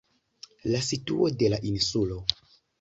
La situo de la insulo.